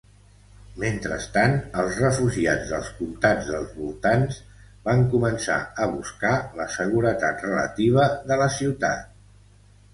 Mentrestant, els refugiats dels comtats dels voltants van començar a buscar la seguretat relativa de la ciutat.